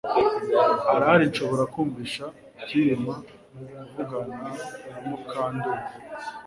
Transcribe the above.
Ahari nshobora kumvisha Kirima kuvugana na Mukandoli